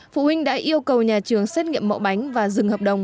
phụ huynh đã yêu cầu nhà trường xét nghiệm mẫu bánh và dừng hợp đồng